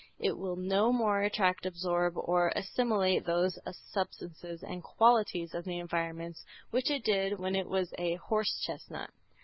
It will no more attract, absorb or assimilate those substances and qualities of the environments which it did when it was a horse chestnut.